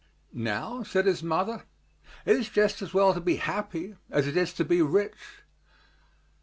"Now," said his mother, "it is just as well to be happy as it is to be rich."